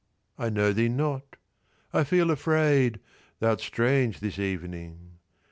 I know thee not: I feel afraid: Thou'rt strange this evening.